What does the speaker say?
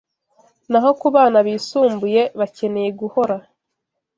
Naho ku bana bisumbuye, bakeneye guhora